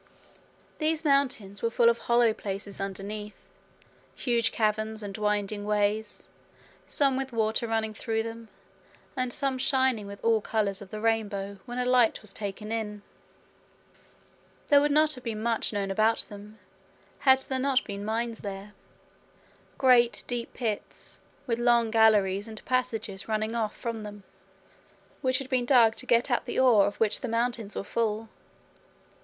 These mountains were full of hollow places underneath; huge caverns, and winding ways, some with water running through them, and some shining with all colours of the rainbow when a light was taken in. There would not have been much known about them, had there not been mines there, great deep pits, with long galleries and passages running off from them, which had been dug to get at the ore of which the mountains were full.